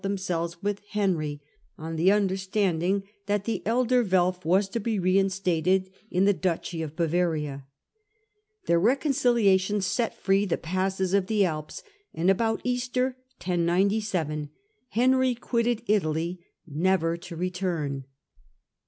ns to themselves with Henry, on the understanding Germany ^jj^^t the elder Welf was to be reinstated in the duchy of Bavaria. Their reconciliation set free the passes of the Alps, and about Easter (1097) Henry quitted Italy, never to return.